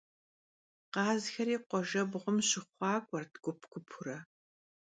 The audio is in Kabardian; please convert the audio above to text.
Khazxeri khuajjebğum şıxhuak'uert gup - gupuure.